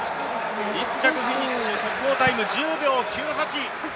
１着フィニッシュ速報タイム１０秒９８。